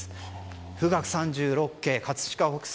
「富岳三十六景」、葛飾北斎